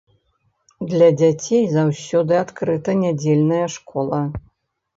Для дзяцей заўсёды адкрыта нядзельная школа.